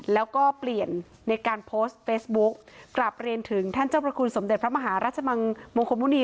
แล้วก็เปลี่ยนในการโพสต์เฟซบุ๊คกลับเรียนถึงท่านเจ้าพระคุณสมเด็จพระมหาราชมังมงคลมุณี